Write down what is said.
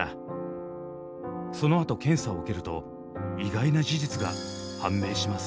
そのあと検査を受けると意外な事実が判明します。